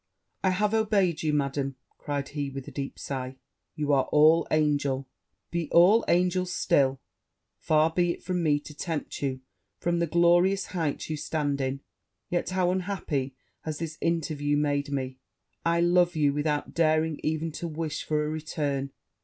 'I have obeyed you, Madam!' cried he, with a deep sigh; 'you are all angel be all angel still! Far be it from me to tempt you from the glorious height you stand in: yet how unhappy has this interview made me! I love you without daring even to wish for a return!